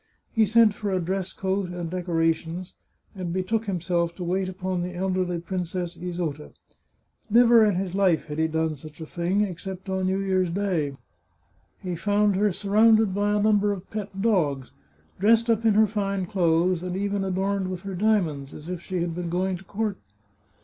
He sent for a dress coat and decora tions, and betook himself to wait upon the elderly Princess Isota. Never in his life had he done such a thing, except on New Year's Day. He found her surrounded by a num ber of pet dogs, dressed up in her fine clothes, and even adorned with her diamonds, as if she had been going to court.